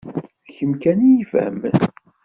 D kemm kan i y-ifehmen.